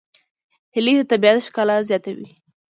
هیلۍ د طبیعت ښکلا زیاتوي